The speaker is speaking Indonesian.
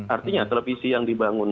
artinya televisi yang dibangun